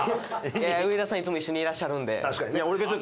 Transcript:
いや上田さんいつも一緒にいらっしゃるので。